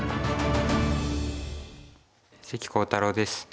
関航太郎です。